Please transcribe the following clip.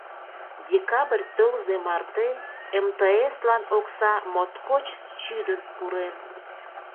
Декабрь тылзе марте МТС-лан окса моткоч чӱдын пурен.